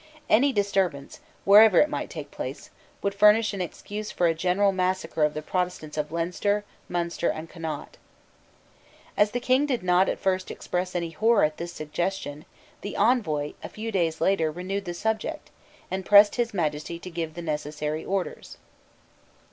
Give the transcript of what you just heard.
Any disturbance, wherever it might take place, would furnish an excuse for a general massacre of the Protestants of Leinster, Munster, and Connaught, As the King did not at first express any horror at this suggestion, the Envoy, a few days later, renewed the subject, and pressed His Majesty to give the necessary orders.